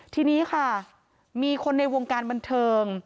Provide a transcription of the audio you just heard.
ทีนี้ค่ะมีคนในวงการบันเทิง